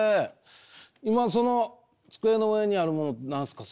今その机の上にあるもの何すか？